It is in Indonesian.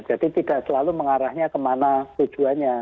jadi tidak selalu mengarahnya kemana tujuannya